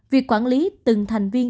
việc quản lý từng thành viên